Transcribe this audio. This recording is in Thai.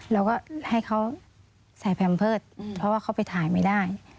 เราก็ให้เขาใส่แพมเพิร์ตเพราะว่าเขาไปถ่ายไม่ได้